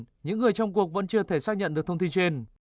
tuy nhiên những người trong cuộc vẫn chưa thể xác nhận được thông tin trên